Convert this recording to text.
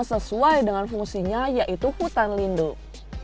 sesuai dengan fungsinya yaitu hutan lindung